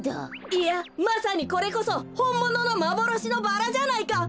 いやまさにこれこそほんもののまぼろしのバラじゃないか！